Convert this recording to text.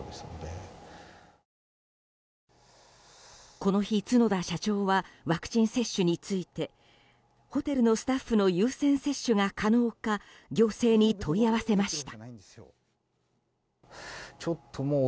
この日、角田社長はワクチン接種についてホテルのスタッフの優先接種が可能か行政に問い合わせました。